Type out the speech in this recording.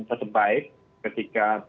tetap baik ketika